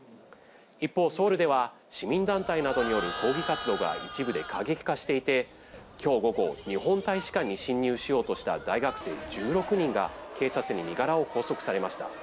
一方、ソウルでは市民団体などによる抗議活動が一部で過激化していて、きょう午後、日本大使館に侵入しようとした大学生１６人が、警察に身柄を拘束されました。